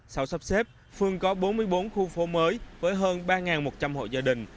sau sắp xếp phường có bốn mươi bốn khu phố mới với hơn ba một trăm linh hộ gia đình